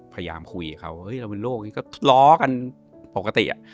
พยายามคุยกับเขาเฮ้ยเราเป็นโรคนี้ก็ล้อกันปกติ